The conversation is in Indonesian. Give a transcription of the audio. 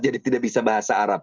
jadi tidak bisa bahasa arab